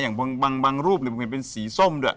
อย่างบางรูปเป็นสีส้มด้วย